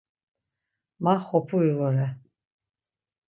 Ma Xopuri vore.